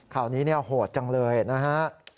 ข่าวนี้โหดจังเลยนะฮะ